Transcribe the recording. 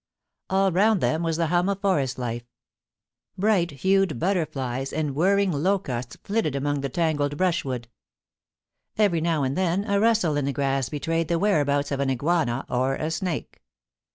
All round them was the hum of forest life ; bright hued butterflies and whirring locusts flitted among the tangled brushwood. Every now and then a rustle in the grass be trayed the whereabouts of an iguana or a snake.